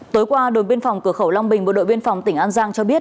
tối qua đồn biên phòng cửa khẩu long bình bộ đội biên phòng tỉnh an giang cho biết